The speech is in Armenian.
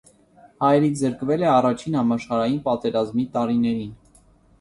Հայերից զրկվել է առաջին համաշխարհային պատերազմի տարիներին։